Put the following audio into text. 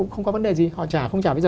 không có vấn đề gì họ trả không trả bây giờ